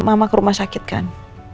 mama ke rumah sakit kan